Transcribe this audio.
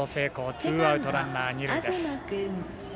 ツーアウト、ランナー、二塁です。